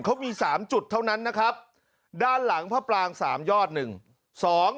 เขามีสามจุดเท่านั้นนะครับด้านหลังพระปรางสามยอดหนึ่งสอง